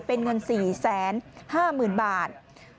เป็นเงิน๔๕๐๐๐บาท